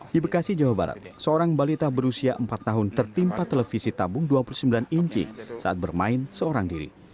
di bekasi jawa barat seorang balita berusia empat tahun tertimpa televisi tabung dua puluh sembilan inci saat bermain seorang diri